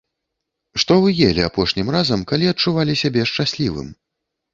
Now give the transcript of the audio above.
Што вы елі апошнім разам, калі адчувалі сябе шчаслівым?